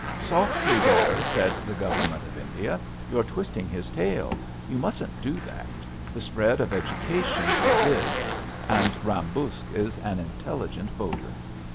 Softly, there 1 " said the Government of In dia. *^ You're twisting his tail. You mustn't do that. The spread of education forbids, and Ram Buksh is an intelligent voter.